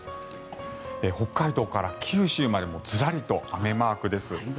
北海道から九州までもずらりと雨マークです。